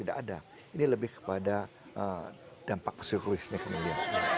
dampak psikologisnya kembali